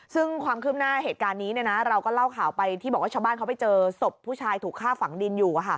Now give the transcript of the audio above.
ซึ่งความคืบหน้าเหตุการณ์นี้เราก็เล่าข่าวไปที่บอกว่าชาวบ้านเขาไปเจอศพผู้ชายถูกฆ่าฝังดินอยู่